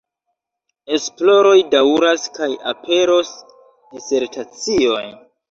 Esploroj daŭras kaj aperos disertacioj.